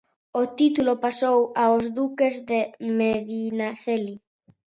O título pasou aos duques de Medinaceli.